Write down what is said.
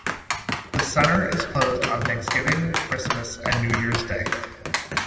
The center is closed on Thanksgiving, Christmas and New Years Day.